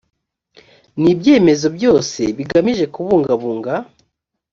n ibyemezo byose bigamije kubungabunga